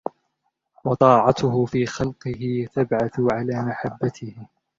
وَطَاعَتُهُ فِي خَلْقِهِ تَبْعَثُ عَلَى مَحَبَّتِهِ